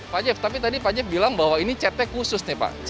pak jeff tapi tadi pak jeff bilang bahwa ini chatnya khusus nih pak